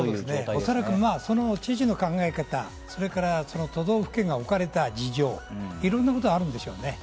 おそらく知事の考え方、都道府県が置かれた事情、いろんなことがあるんでしょうね。